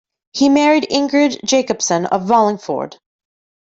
He married Ingrid Jacobson of Wallingford.